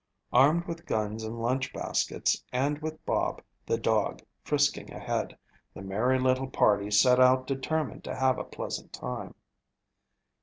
Armed with guns and lunch baskets, and with Bob, the dog, frisking ahead, the merry little party set out determined to have a pleasant time.